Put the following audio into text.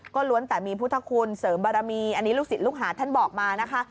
ก็ล้วนแต่มีพุทธคุณเสริมบารมีอันนี้ลูกศิษย์ลูกหาท่านบอกมานะคะ